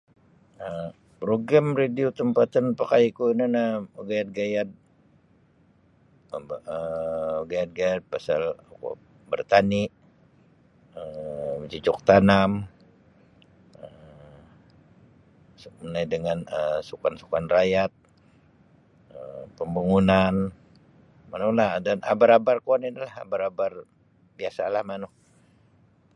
um Program radio tampatan mapakai ku ino nio gayad-gayad ombo um gayad-gayad pasal kuo bertani um bercucuk tanam um [unintelligible] sukan-sukan raayat um pembangunan mana-manalah dan abar-abar kuo nini lah abar-abar biasalah manu.